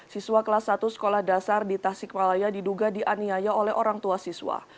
siswa kelas satu sekolah dasar di tasikmalaya diduga dianiaya oleh orang tua siswa